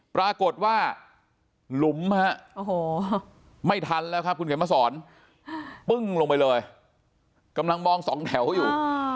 ปรากฏว่าหลุมฮะไม่ทันแล้วครับคุณเข็มมาสอนปึ้งลงไปเลยกำลังมองสองแถวอยู่